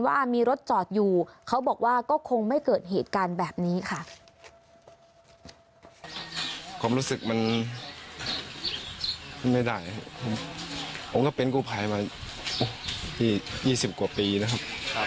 ผมก็เป็นกูภายมา๒๐กว่าปีนะครับ